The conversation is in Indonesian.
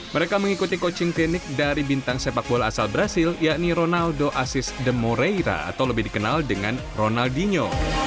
mereka mengikuti coaching klinik dari bintang sepak bola asal brasil yakni ronaldo assis de moreira atau lebih dikenal dengan ronaldinho